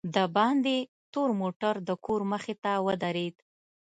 دباندې تور موټر دکور مخې ته ودرېد.